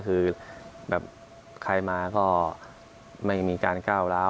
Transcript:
คือแบบใครมาก็ไม่มีการก้าวร้าว